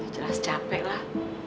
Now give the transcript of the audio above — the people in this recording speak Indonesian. jelas capek lah